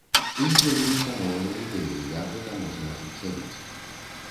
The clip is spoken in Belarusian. І з'явіліся новыя ідэі, як гэта можна ажыццявіць.